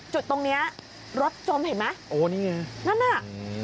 ตรงเนี้ยรถจมเห็นไหมโอ้นี่ไงนั่นน่ะอืม